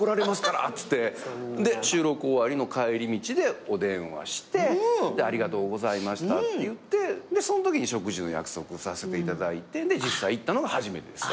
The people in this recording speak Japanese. で収録終わりの帰り道でお電話してありがとうございましたって言ってそんときに食事の約束させていただいて実際行ったのが初めてです。